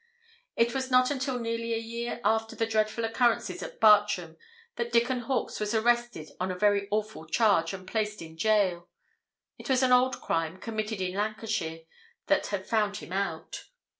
It was not until nearly a year after the dreadful occurrences at Bartram that Dickon Hawkes was arrested on a very awful charge, and placed in gaol. It was an old crime, committed in Lancashire, that had found him out.